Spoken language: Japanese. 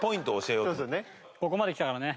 ここまできたからね。